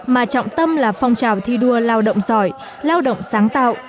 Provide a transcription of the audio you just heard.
mà trọng tâm là phong trào thi đua lao động giỏi lao động sáng tạo